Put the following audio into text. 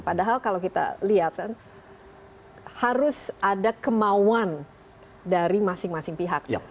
padahal kalau kita lihat kan harus ada kemauan dari masing masing pihak